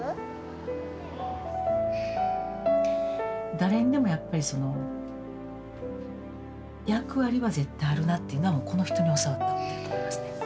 誰にでもやっぱり役割は絶対あるなっていうのはもうこの人に教わったことやと思いますね。